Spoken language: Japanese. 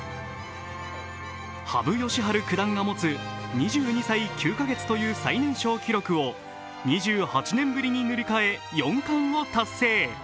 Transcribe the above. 羽生善治九段が持つ２２歳９カ月という最年少記録を２８年ぶりに塗り替え、四冠を達成